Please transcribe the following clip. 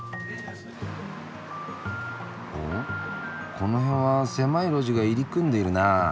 この辺は狭い路地が入り組んでいるな。